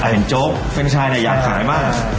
เห็นเจ้าแฟนชายอยากขายมาก